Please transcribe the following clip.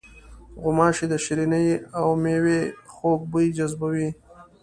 غوماشې د شریني او میوې خوږ بوی جذبوي.